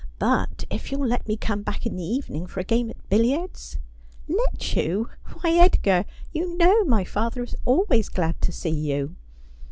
But if you'll let me come back in the evening for a game at billiards ?'' Let you ? hy, Edgar, you know my father is always glad to see you.'